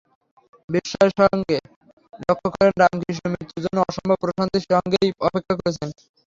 বিস্ময়ের সঙ্গে লক্ষ করেন, রামকৃষ্ণ মৃত্যুর জন্য অসম্ভব প্রশান্তির সঙ্গেই অপেক্ষা করছেন।